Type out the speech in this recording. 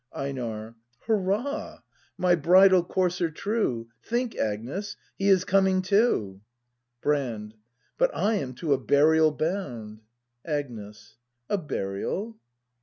Einar. Hurrah! My bridal courser true! Think, Agnes, he is coming too! Brand. But / am to a burial bound. Agnes. A burial.